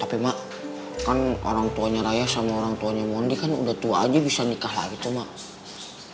tapi mah kan orang tuanya raya sama orang tuanya monty kan udah tua aja bisa nikah lagi tuh mah